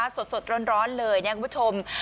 สดร้อนเลยนะคุณผู้ชม